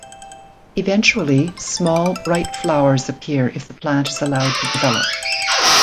Eventually small bright flowers appear if the plant is allowed to develop.